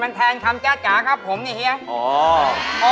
มาแทนคำจาครับผมเนี่ย